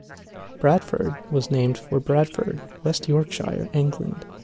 Bradford was named for Bradford, West Yorkshire, England.